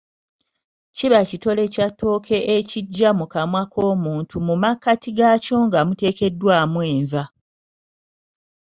Kiba kitole kya ttooke ekigya mu kamwa k'omuntu mu makkati gaaky'o nga muteekeddwaamu enva.